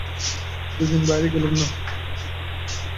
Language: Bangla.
দু দিন বাইরে গেলুম না।